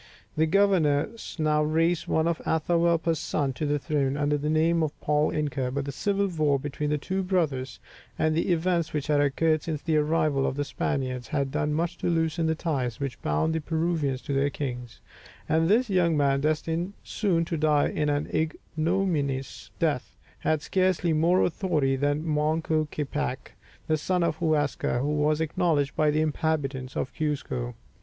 The governor now raised one of Atahualpa's sons to the throne, under the name of Paul Inca; but the civil war between the two brothers, and the events which had occurred since the arrival of the Spaniards, had done much to loosen the ties which bound the Peruvians to their kings, and this young man, destined soon to die an ignominious death, had scarcely more authority than Manco Capac, the son of Huascar, who was acknowledged by the inhabitants of Cuzco.